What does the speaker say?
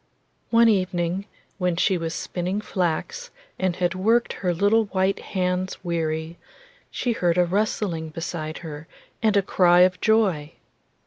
One evening, when she was spinning flax, and had worked her little white hands weary, she heard a rustling beside her and a cry of joy.